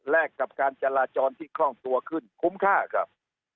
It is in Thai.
กับการจราจรที่คล่องตัวขึ้นคุ้มค่าครับ